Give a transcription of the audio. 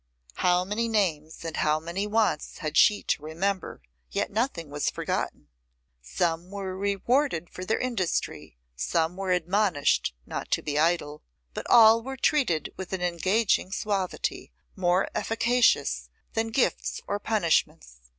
How many names and how many wants had she to remember! yet nothing was forgotten. Some were rewarded for industry, some were admonished not to be idle; but all were treated with an engaging suavity more efficacious than gifts or punishments.